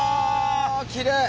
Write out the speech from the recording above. きれい！